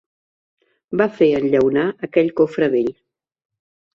Va fer enllaunar aquell cofre vell.